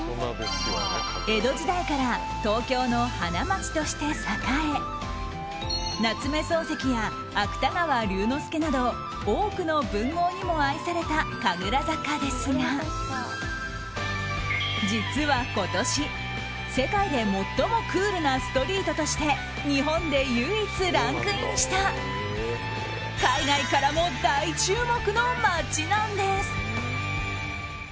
江戸時代から東京の花街として栄え夏目漱石や芥川龍之介など多くの文豪にも愛された神楽坂ですが実は今年、世界で最もクールなストリートとして日本で唯一ランクインした海外からも大注目の街なんです。